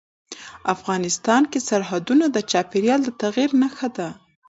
افغانستان کې سرحدونه د چاپېریال د تغیر نښه ده.